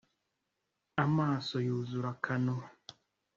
Amaso yuzura akanwa.